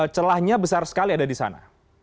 celahnya besar sekali ada di sana